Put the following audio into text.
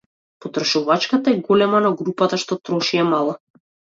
Потрошувачката е голема, но групата што троши е мала.